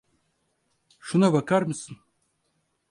Şuna bakar mısın?